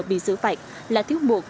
bị xử phạt là thiếu một